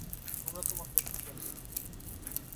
আমরা তো মাত্র দুজন।